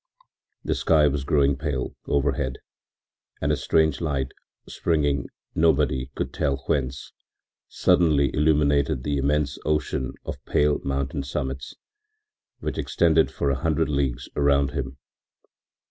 The sky was growing pale overhead, and a strange light, springing nobody could tell whence, suddenly illuminated the immense ocean of pale mountain summits, which extended for a hundred leagues around him.